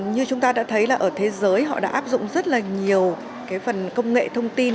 như chúng ta đã thấy là ở thế giới họ đã áp dụng rất là nhiều cái phần công nghệ thông tin